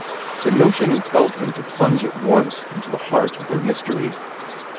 The notion impelled him to plunge at once into the heart of their mystery.